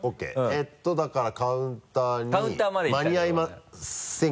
えっとだからカウンターに間に合いませんか？